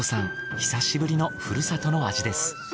久しぶりのふるさとの味です。